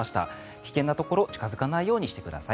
危険なところに近付かないようにしてください。